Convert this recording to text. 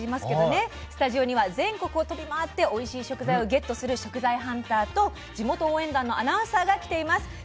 スタジオには全国を飛び回っておいしい食材をゲットする食材ハンターと地元応援団のアナウンサーが来ています。